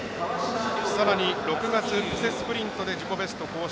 さらに６月布勢スプリントで自己ベスト更新。